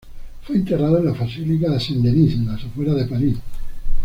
Fue enterrado en la Basílica de Saint Denis, en las afueras de París.